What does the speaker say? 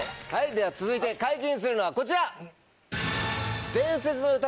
では続いて解禁するのはこちら！